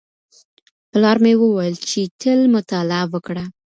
پلار مې وویل چي تل مطالعه وکړه.